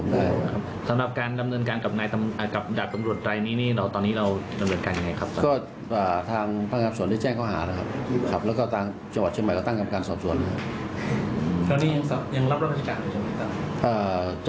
แล้วก็จังหวัดเชียงใหม่ก็ตั้งกรรมการสอบสวนนะครับ